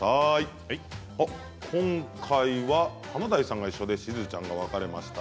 今回は華大さんが一緒でしずちゃんが分かれました。